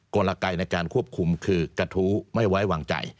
กลไกในการควบคุมคือกระทู้ไม่ไว้วางใจ